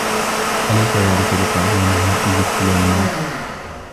أَلَيْسَ ذَلِكَ بِقَادِرٍ عَلَى أَن يُحْيِيَ الْمَوْتَى